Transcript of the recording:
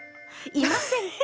いませんか？